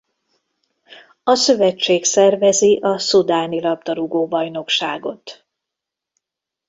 A szövetség szervezi a Szudáni labdarúgó-bajnokságot.